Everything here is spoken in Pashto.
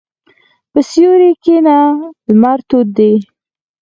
په سیوري کښېنه، لمر تود دی.